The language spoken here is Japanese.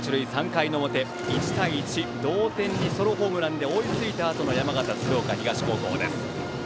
３回の表１対１、同点にソロホームランで追いついたあとの山形・鶴岡東高校です。